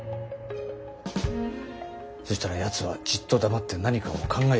そしたらやつはじっと黙って何かを考えていたって。